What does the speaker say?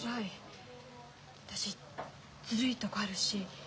私ずるいとこあるし